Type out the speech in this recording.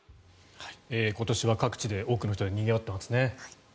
今年は各地で多くの人でにぎわっていますね。